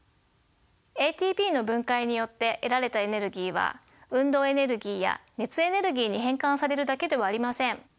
ＡＴＰの分解によって得られたエネルギーは運動エネルギーや熱エネルギーに変換されるだけではありません。